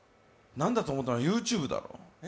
何だと思ったら、ＹｏｕＴｕｂｅだろう？